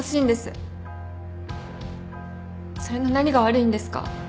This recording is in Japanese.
それの何が悪いんですか？